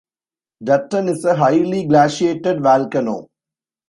Dutton is a highly glaciated volcano.